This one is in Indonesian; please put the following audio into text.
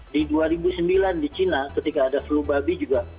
di dua ribu sembilan di china ketika ada flu babi juga